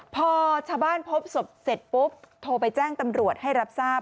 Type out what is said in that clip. พอชาวบ้านพบศพเสร็จปุ๊บโทรไปแจ้งตำรวจให้รับทราบ